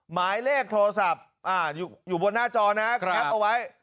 หมายเลขโทรศัพท์อ่าอยู่อยู่บนหน้าจอนะครับเอาไว้